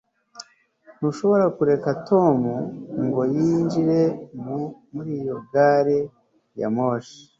ntushobora kureka tom ngo yinjire muri iyo gari ya moshi